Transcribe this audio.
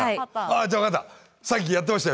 じゃあ分かった。